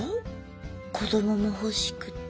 子どももほしくて。